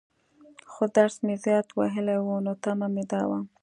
خو درس مې زيات وويلى وو، نو تمه مې دا وه.